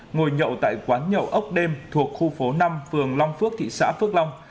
ngồi nhậu tại quán nhậu ốc đêm thuộc khu phố năm phường long phước thị xã phước long